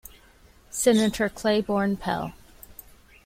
Senator Claiborne Pell.